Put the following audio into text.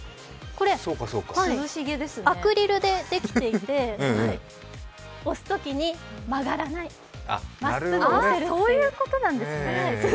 アクリルでできていて押すときに曲がらない、まっすぐ押せるということです。